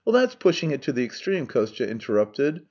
That's pushing it to the extreme," Kostya interrupted.